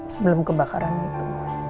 sebelum kebakaran itu